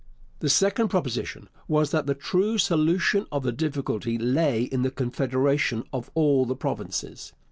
The second proposition was that the true solution of the difficulty lay in the confederation of all the provinces.